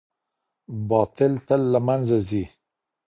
باطل تل له منځه ځي.